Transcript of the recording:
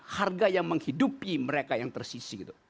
harga yang menghidupi mereka yang tersisi gitu